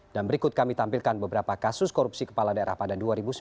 dan berikut kami tampilkan beberapa kasus korupsi kepala daerah pada dua ribu sembilan belas